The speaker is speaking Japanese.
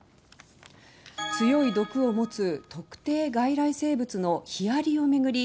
強い毒を持つ特定外来生物のヒアリを巡り